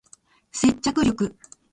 接着力